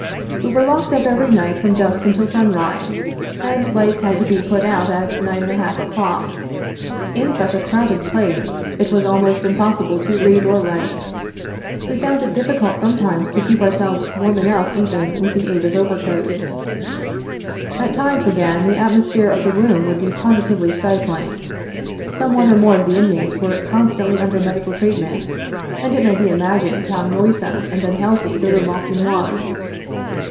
We were locked up every night from dusk until sunrise ; and lights had to be put out at 9^ o'clock. In such a crowded 42 place it was almost impossible to read or write. We found it difficult sometimes to keep ourselves warm enough even with the aid of overcoats. At times again, the atmosphere of the room would be positively stifling. Some one or more of the inmates were constantly under medical treatment, and it may be imagined how noisome and unhealthy the room often was.